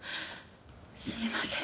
すみません。